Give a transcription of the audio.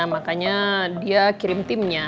makanya dia kirim timnya